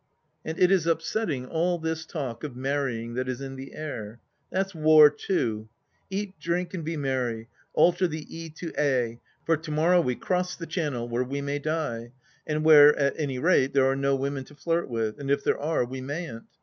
And it is upsetting, all this talk of marrying that is in the air. That's War too ! Eat, drink, and be merry — alter the " e " to " a "— ^for to morrow we cross the Channel, where we may die, and where, at any rate, there are no women to flirt with ; and if there are, we mayn't.